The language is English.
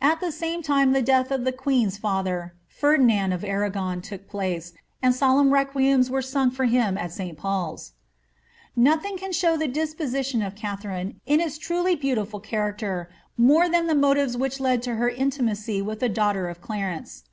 At the same time the death of the queen's father, Ferdinand of Arragon, took place, and solemn requiems were sung for hm at St. Paul's. Nothing can show the disposition of Katharine in its truly beautiful > Hall, p. 582. VOL. IT. 9 86 KATHARI5B OF ARRAOOll. character more than the motives which led to her intimacy with the daughter of Clarence.